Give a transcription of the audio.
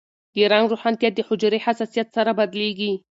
د رنګ روښانتیا د حجرې حساسیت سره بدلېږي.